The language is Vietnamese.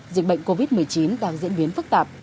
dịch bệnh covid một mươi chín đang diễn biến phức tạp